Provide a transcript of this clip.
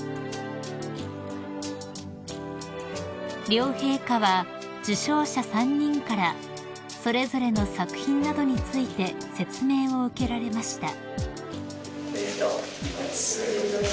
［両陛下は受賞者３人からそれぞれの作品などについて説明を受けられました］